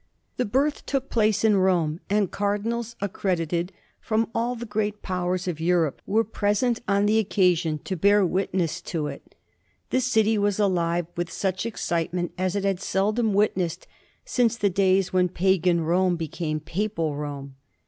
The birth took place in Rome, and cardinals accredited from all the great Powers of Europe were present on the occasion to bear witness to it. The city was alive with such excitement as it had seldom witnessed since the days when pagan Rome became papal Rome.